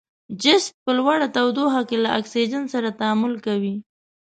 جست په لوړه تودوخه کې له اکسیجن سره تعامل کوي.